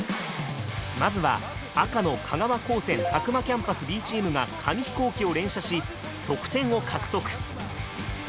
まずは赤の香川高専詫間キャンパスＢチームが紙飛行機を連射し得点を獲得。